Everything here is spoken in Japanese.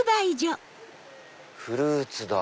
フルーツだ！